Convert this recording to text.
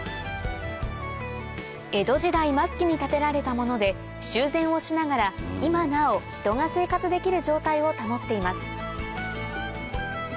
江戸時代末期に建てられたもので修繕をしながら今なお人が生活できる状態を保っています